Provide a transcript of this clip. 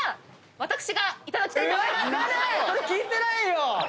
それ聞いてないよ。